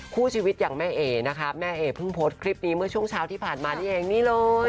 คู่ชีวิตอย่างแม่เอ๋นะคะแม่เอ๋เพิ่งโพสต์คลิปนี้เมื่อช่วงเช้าที่ผ่านมานี่เองนี่เลย